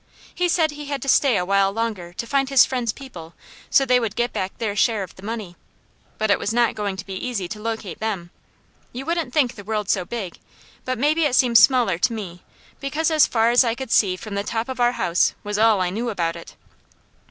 He said he had to stay a while longer to find his friend's people so they would get back their share of the money, but it was not going to be easy to locate them. You wouldn't think the world so big, but maybe it seemed smaller to me because as far as I could see from the top of our house, was all I knew about it.